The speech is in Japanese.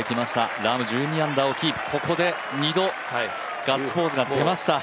ラーム、１２アンダーをキープ、ここで２度ガッツポーズが出ました。